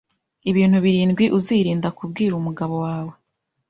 Ibintu birindwi uzirinda kubwira umugabo wawe